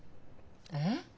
えっ？